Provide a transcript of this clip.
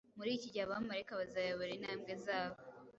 muri iki gihe abamarayika bazayobora intambwe z’abo